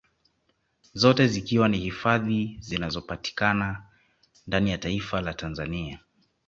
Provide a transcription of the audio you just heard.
Zote zikiwa ni hifadhi zinazopatikana ndani ya taifa la Tanzania